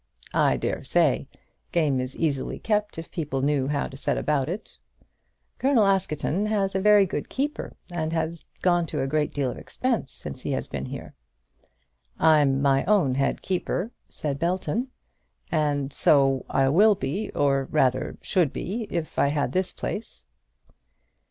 "I dare say. Game is easily kept if people knew how to set about it." "Colonel Askerton has a very good keeper, and has gone to a great deal of expense since he has been here." "I'm my own head keeper," said Belton; "and so I will be, or rather should be, if I had this place."